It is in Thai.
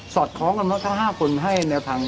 สอดของ๕คนให้ในทาง